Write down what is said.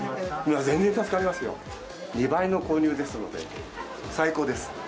全然助かりますよ、２倍の購入ですので。